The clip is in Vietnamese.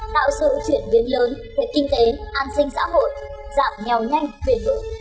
tạo sự chuyển biến lớn về kinh tế an sinh xã hội giảm nghèo nhanh quyền lượng